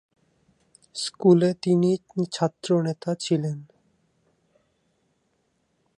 স্কুলে তিনি ছাত্র নেতা ছিলেন।